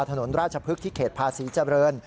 ถนนราชพฤกษ์ที่เขตภาษีเจริญ